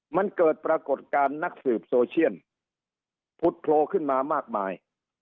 มันเกิดปรากฏการณ์นักสืบโซเชียนผุดโพลขึ้นมามากมาย